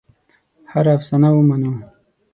هره افسانه ومنو.